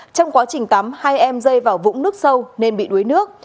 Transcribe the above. trong quá trình tắm hai em rơi vào vũng nước sâu nên bị đuối nước